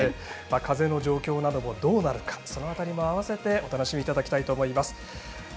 風の状況などもどうなるかその辺りも合わせてお楽しみいただきたいと思います。